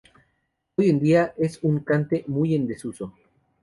Hoy en día, es un cante muy en desuso.